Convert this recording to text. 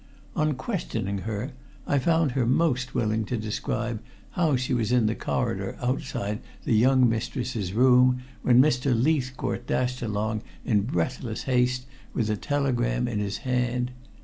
On questioning her, I found her most willing to describe how she was in the corridor outside the young mistress's room when Mr. Leithcourt dashed along in breathless haste with the telegram in his hand.